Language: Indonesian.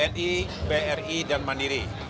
bni bri dan mandiri